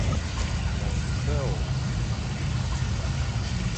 Nsè hôr.